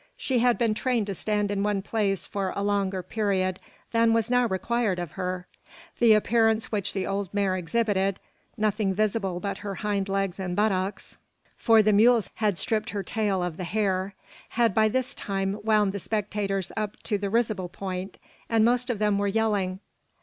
She had been trained to stand in one place for a longer period than was now required of her. The appearance which the old mare exhibited, nothing visible but her hind legs and buttocks, for the mules had stripped her tail of the hair, had by this time wound the spectators up to the risible point, and most of them were yelling.